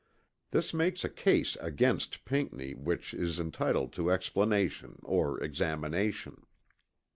This makes a case against Pinckney which is entitled to explanation or examination.